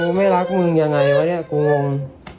กูไม่รักมึงยังไงว่าเนี้ยกูงยังไง